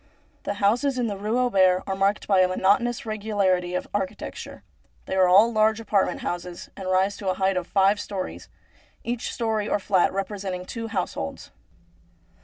The houses in the Rue Auber are marked by a monotonous regularity of architecture. They are all large apartment houses and rise to a height of five storeys, each storey or fiat representing two households.